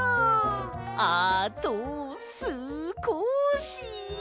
あとすこし！